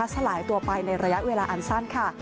สลายตัวไปในระยะเวลาอันสั้นค่ะ